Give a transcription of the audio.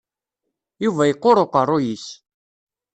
Yuba yeqqur uqerru-is.